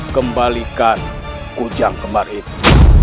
kembalikan kujang kembar itu